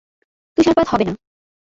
তুষারপাত হবে না।